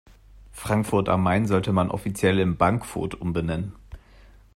Frankfurt am Main sollte man offiziell in Bankfurt umbenennen.